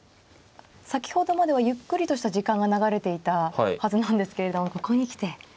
先ほどまではゆっくりとした時間が流れていたはずなんですけれどもここに来て。